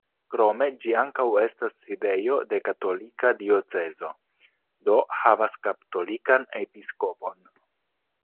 Krome ĝi ankaŭ estas sidejo de katolika diocezo, do havas katolikan episkopon.